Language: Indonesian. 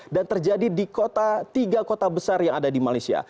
dan terjadi di kota tiga kota besar yang ada di malaysia